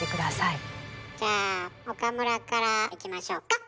じゃあ岡村からいきましょうか。